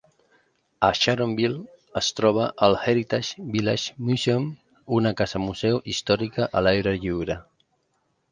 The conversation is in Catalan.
A Sharonville es troba el Heritage Village Museum, una casa museu històrica a l'aire lliure.